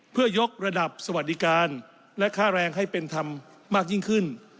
เพื่อยกระดับสวัสดิการและค่าแรงให้เป็นธรรมมากยิ่งขึ้น